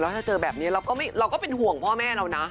ถ้าเจอแบบนี้เราก็เป็นห่วงพ่อแม่เรานะ